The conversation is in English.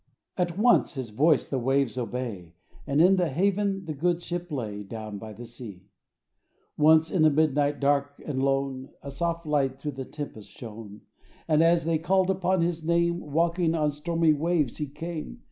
At once His voice the waves obey — And in the haven the good ship lay, Down by the sea. Once, in the midnight dark and lone, A soft light thro' the tempest shone; And as they called upon His name. Walking on stormy waves He came.